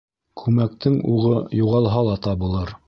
Күмәктең уғы юғалһа ла табылыр